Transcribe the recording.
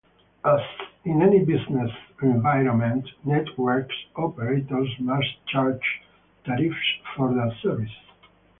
As in any business environment, network operators must charge tariffs for their services.